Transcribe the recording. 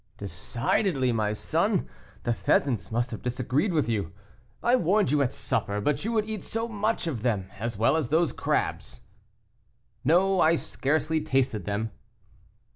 "Decidedly, my son, the pheasants must have disagreed with you; I warned you at supper, but you would eat so much of them, as well as of those crabs." "No; I scarcely tasted them."